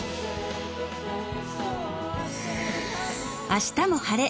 「あしたも晴れ！